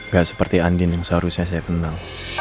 gak seperti andin yang seharusnya saya kenal